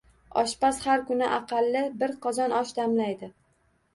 Oshpaz har kuni aqalli bir qozon osh damlaydi.